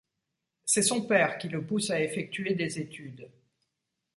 C'est son père qui le pousse à effectuer des études.